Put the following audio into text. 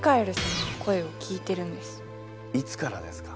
いつからですか？